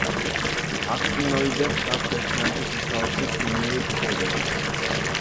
აქტინოიდებს აქვთ ერთმანეთის მსგავსი ქიმიური თვისებები.